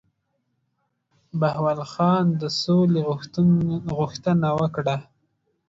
بهاول خان د سولي غوښتنه وکړه.